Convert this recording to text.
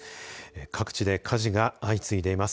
各地で火事が相次いでいます。